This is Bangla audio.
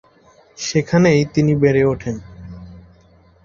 সেখানেই তিনি বেড়ে ওঠেন।